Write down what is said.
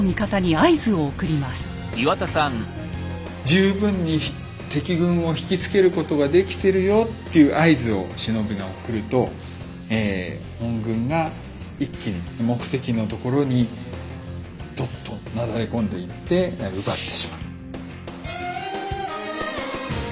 十分に敵軍を引き付けることができてるよっていう合図を忍びが送ると本軍が一気に目的のところにどっとなだれ込んでいって奪ってしまう。